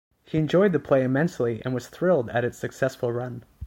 He enjoyed the play immensely and was thrilled at its successful run.